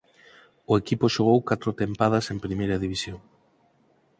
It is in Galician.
O equipo xogou catro tempadas en Primeira División.